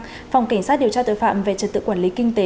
phòng cảnh sát điều tra tội phạm về trật tự quản lý kinh tế